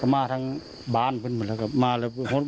เขามาทั้งบ้านพึ่งมาแล้วกับมาแล้วบ้านผมปกติครับ